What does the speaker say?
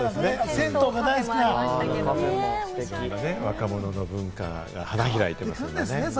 銭湯が若者の文化が花開いてますね。